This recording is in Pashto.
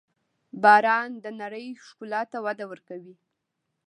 • باران د نړۍ ښکلا ته وده ورکوي.